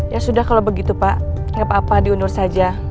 ya sudah kalau begitu pak nggak apa apa diundur saja